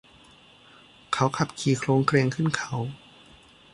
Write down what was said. เขาขับขี่โคลงเคลงขึ้นเขา